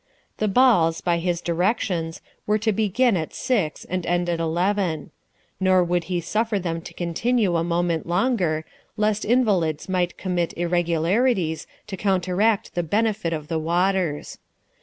The balls, by his directions, were to begin at six and to end at eleven. Nor would he suffer them to continue a moment longer, lest invalids might commit irregularities, to counteract the benefit of the waters.